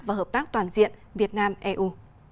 và hợp tác toàn diện việt nam eu